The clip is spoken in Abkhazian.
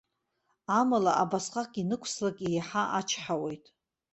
Амала, абасҟак ианықәслак еиҳа ачҳауеит.